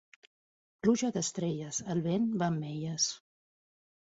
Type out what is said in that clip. Pluja d'estrelles, el vent va amb elles.